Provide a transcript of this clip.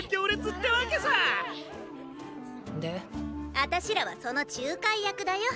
あたしらはその仲介役だよ。